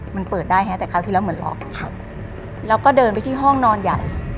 มันเปิดได้ฮะแต่คราวที่แล้วเหมือนล็อกแล้วก็เดินไปที่ห้องนอนใหญ่